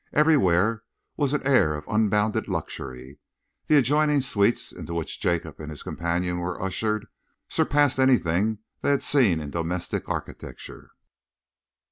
Everywhere was an air of unbounded luxury. The adjoining suites into which Jacob and his companion were ushered surpassed anything they had seen in domestic architecture.